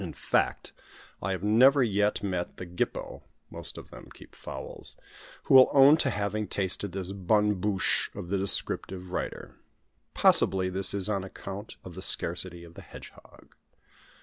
In fact I have never yet met the "gippo" (most of them keep fowls) who will own to having tasted this bonne bouche of the descriptive writer. Possibly this is on account of the scarcity of the hedgehog.